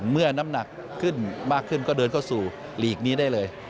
น้ำหนักขึ้นมากขึ้นก็เดินเข้าสู่หลีกนี้ได้เลย